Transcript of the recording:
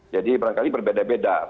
jadi barangkali berbeda beda